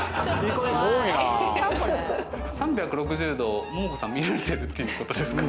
３６０度桃子さん見られてるということですか？